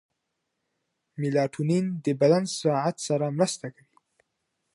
میلاټونین د بدن ساعت سره مرسته کوي.